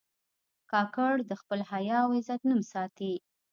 کاکړ د خپل حیا او غیرت نوم ساتي.